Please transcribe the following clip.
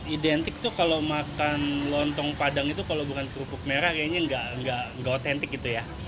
identik tuh kalau makan lontong padang itu kalau bukan kerupuk merah kayaknya nggak otentik gitu ya